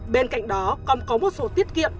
bên cạnh đó còn có một số tiết kiệm